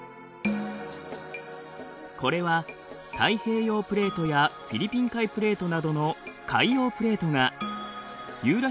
これは太平洋プレートやフィリピン海プレートなどの海洋プレートがユーラシア